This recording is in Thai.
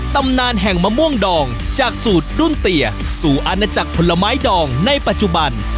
ตำนานแห่งมะม่วงดองจากสูตรรุ่นเตียสู่อาณาจักรผลไม้ดองในปัจจุบัน